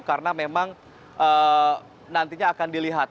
karena memang nantinya akan dilihat